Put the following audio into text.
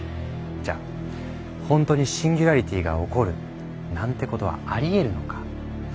じゃあほんとにシンギュラリティが起こるなんてことはありえるのか？